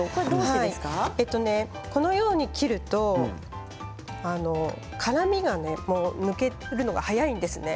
このように切ると辛みが抜けるのが早いんです。